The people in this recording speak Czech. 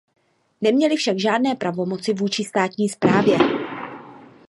Neměli však žádné pravomoci vůči státní správě.